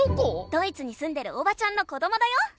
ドイツにすんでるおばちゃんの子どもだよ。